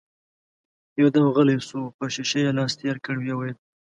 يودم غلی شو، پر شيشه يې لاس تېر کړ، ويې ويل: